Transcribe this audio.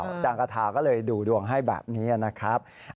อาจารย์กระทาก็เลยดูดวงให้แบบนี้นะครับ